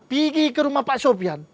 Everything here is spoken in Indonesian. pergi ke rumah pak sofian